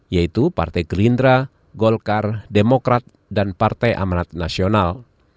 yaitu partai gerindra golkar demokrat dan partai amanat nasional